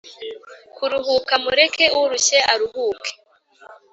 Kuruhuka mureke urushye aruhuke